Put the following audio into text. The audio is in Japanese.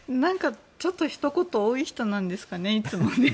ちょっとひと言多い人なんですかね、いつも。